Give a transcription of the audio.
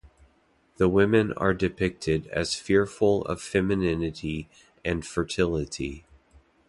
The women are depicted as fearful of femininity and fertility.